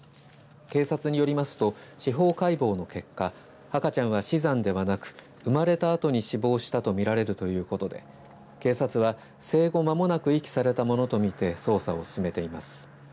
警察によりますと司法解剖の結果赤ちゃんは死産ではなく生まれたあとに死亡したとみられるということで警察は、生後間もなく遺棄されたものとみて捜査を進めています。